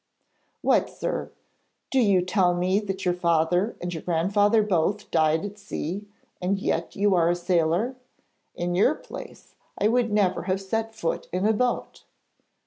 'What, sir! Do you tell me that your father and your grandfather both died at sea, and yet you are a sailor? In your place, I would never have set foot in a boat!'